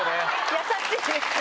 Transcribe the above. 優しい。